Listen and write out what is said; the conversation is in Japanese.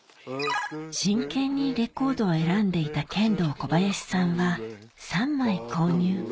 真剣にレコードを選んでいたケンドーコバヤシさんは３枚購入